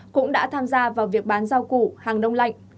cũng đã tham gia vào việc bán giao củ hàng nông lạnh